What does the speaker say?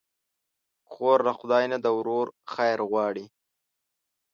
خور له خدای نه د ورور خیر غواړي.